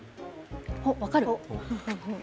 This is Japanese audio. おっ、分かる？